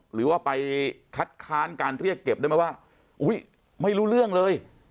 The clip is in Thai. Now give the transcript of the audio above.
หรือว่าไปคัดค้านการเรียกเก็บได้ไหมว่าอุ๊ยไม่รู้เรื่องเลย